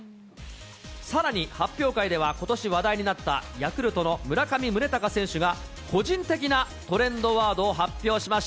さらに発表会では、ことし話題になったヤクルトの村上宗隆選手が個人的なトレンドワ